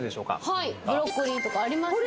はいブロッコリーとかありますよね